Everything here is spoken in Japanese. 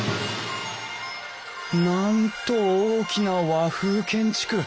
なんと大きな和風建築。